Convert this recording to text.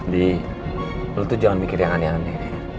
di lo tuh jangan mikir yang aneh aneh